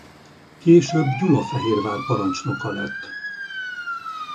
Később Gyulafehérvár parancsnoka lett.